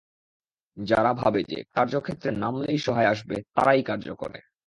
যারা ভাবে যে, কার্যক্ষেত্রে নামলেই সহায় আসবে, তারাই কার্য করে।